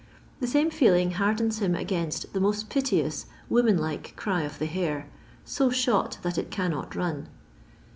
The same feeling hardens him against the most piteous, woman like cry of the hare, so shot that it cannot run.